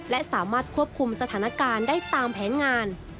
และสามารถควบคุมสถานการณ์ได้ตามแผนงาน